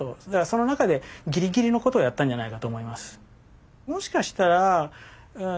その中でギリギリのことをやったんじゃないかと思います。